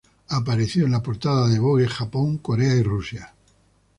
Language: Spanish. Ha aparecido en la portada de "Vogue Japón, Corea y Rusia".